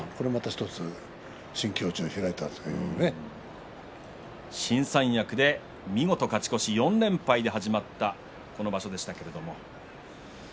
新三役で見事勝ち越し４連敗で始まったこの場所でしたけれども。